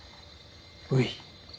おい。